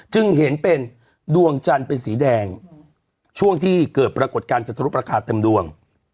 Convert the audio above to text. จึงเห็นเป็นดวงจันทร์เป็นสีแดงช่วงที่เกิดปรากฏการณ์จรุปราคาเต็มดวง